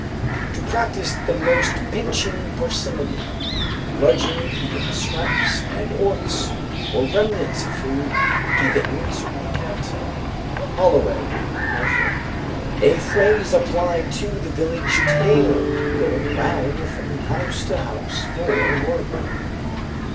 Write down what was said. _ "To practise the most pinching parsimony, grudging even the scraps and orts, or remnants of food given to the cat." HOLLOWAY (Norfolk). A phrase applied to the village tailor going round from house to house for work.